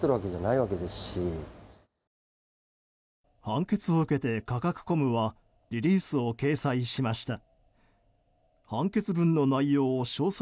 判決を受けて、カカクコムはリリースを掲載しました。